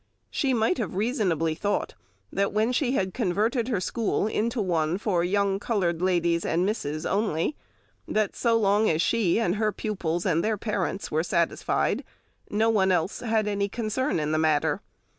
She might have reasonably thought when she had converted her school into one for "young coloured ladies and misses" only, that so long as she and her pupils and their parents were satisfied no one else had any concern in the matter.